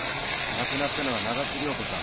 亡くなったのは長津涼子さん。